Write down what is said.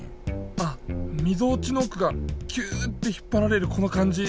あっみぞおちのおくがキューッて引っぱられるこのかんじ。